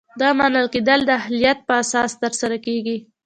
دا منل کیدل د اهلیت په اساس ترسره کیږي.